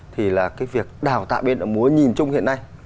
thì là cái việc đào tạo biên đạo múa nhìn chung hiện nay